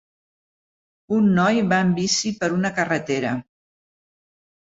Un noi va en bici per una carretera.